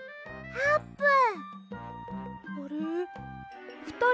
あーぷん？